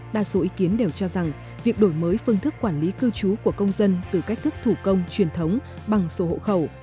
đa số ý kiến đều cho rằng việc đổi mới phương thức quản lý cư trú của công dân từ cách thức thủ công truyền thống bằng sổ hộ khẩu